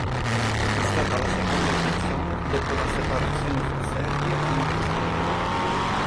È stata la seconda edizione dopo la separazione fra Serbia e Montenegro.